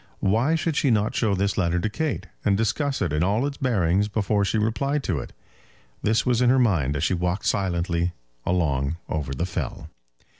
Why should she not show this letter to Kate, and discuss it in all its bearings before she replied to it? This was in her mind as she walked silently along over the fell.